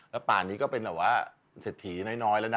แล้วป่านนี้ก็เป็นระวะเสร็จถีน้อยแล้วนะ